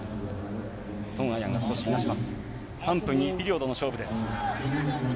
３分２ピリオドの勝負です。